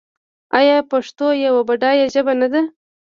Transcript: آیا پښتو یوه بډایه ژبه نه ده؟